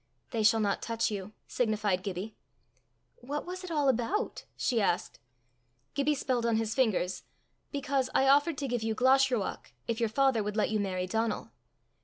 "They shall not touch you," signified Gibbie. "What was it all about?" she asked. Gibbie spelled on his fingers, "Because I offered to give you Glashruach, if your father would let you marry Donal."